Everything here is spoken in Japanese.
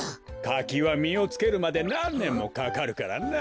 かきはみをつけるまでなんねんもかかるからな。